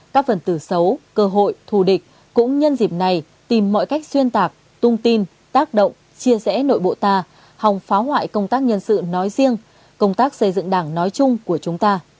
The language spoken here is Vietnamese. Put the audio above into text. các phần từ xấu cơ hội thù địch cũng nhân dịp này tìm mọi cách xuyên tạc tung tin tác động chia rẽ nội bộ ta hòng phá hoại công tác nhân sự nói riêng công tác xây dựng đảng nói chung của chúng ta